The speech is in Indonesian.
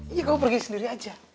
iya kamu pergi sendiri aja